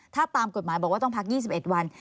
ถ้าตามกฎหมายบอกว่าต้องพัก๒๑วัน